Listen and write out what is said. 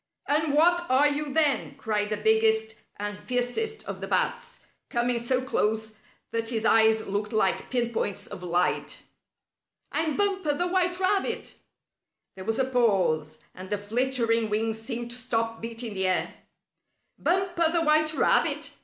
And what are you, then?" cried the biggest and fiercest of the bats, coming so close that his eyes looked like pin points of light. "I'm Bumper, the white rabbit!" There was a pause, and the flittering wings seemed to stop beating the air. "Bumper, the white rabbit!